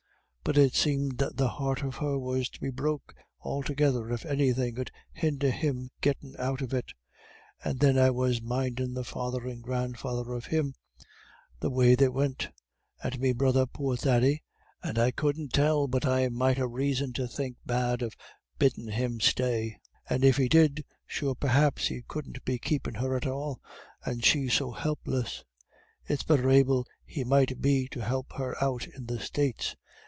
But it seemed the heart of her was to be broke altogether if anythin' 'ud hinder him gettin' out of it. And then I was mindin' the father and grandfather of him, the way they went, and me brother, poor Thady, and I couldn't tell but I might ha' raison to think bad of biddin' him stay; and if he did, sure perhaps he couldn't be keepin' her at all, and she so helpless; it's better able he might be to help her out in the States.